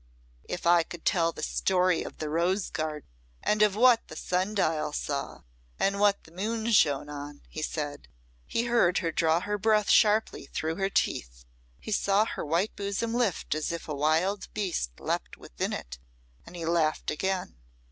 "If I could tell the story of the rose garden, and of what the sun dial saw, and what the moon shone on " he said. He heard her draw her breath sharply through her teeth, he saw her white bosom lift as if a wild beast leapt within it, and he laughed again.